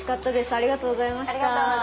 ありがとうございます。